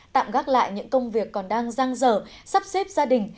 tạm gác lại những công việc còn đang giang dở sắp xếp gia đình